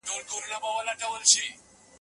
په دې کوټه کې د بل هېڅ انسان نښه نه لیدل کېده.